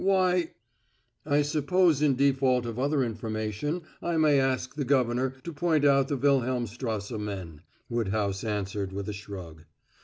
Why " "I suppose in default of other information I may ask the governor to point out the Wilhelmstrasse men," Woodhouse answered, with a shrug.